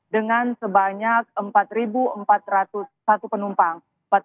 dengan sebanyak empat empat ratus satu penumpang